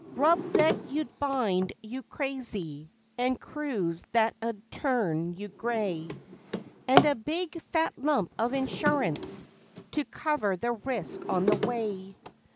Grub that 'ud bind you crazy, and crews that 'ud turn you gray, And a big fat lump of insurance to cover the risk on the way.